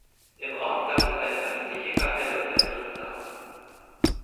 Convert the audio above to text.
Im Ort gab es eine öffentliche Kapelle und ein Wirtshaus.